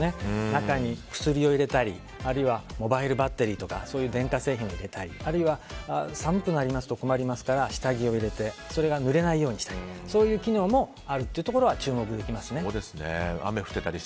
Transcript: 中に薬を入れたり、あるいはモバイルバッテリーとかそういう電化製品を入れたりあるいは寒くなりますと困りますから下着を入れてそれがぬれないようにしたりそういう機能もあるというところは注目できますね。